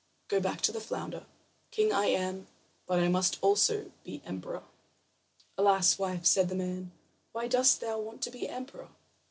Go back to the flounder. King I am, but I must also be emperor." "Alas, wife," said the man, "why dost thou now want to be emperor?"